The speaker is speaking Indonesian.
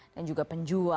dan juga penjualan